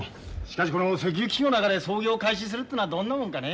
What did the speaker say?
しかしこの石油危機の中で操業を開始するっていうのはどんなもんかね。